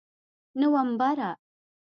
نومبره!